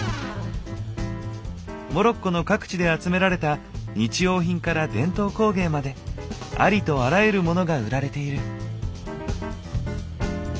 モロッコの各地で集められた日用品から伝統工芸までありとあらゆるモノが売られている。